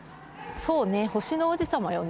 そうね、星の王子様よね。